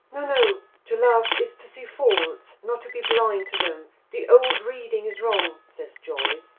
"No, no. To love is to see faults, not to be blind to them. The old reading is wrong," says Joyce.